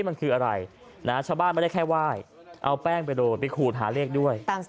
มันคืออะไรนะชาวบ้านไม่ได้แค่ไหว้เอาแป้งไปโดนไปขูดหาเลขด้วย